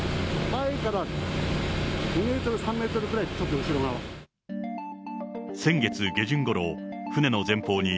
前から２メートル、３メートルぐらいちょっと後ろ側。